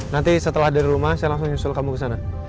nanti setelah ada di rumah saya langsung yusul kamu kesana